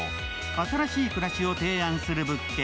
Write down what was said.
新しい暮らしを提案する物件。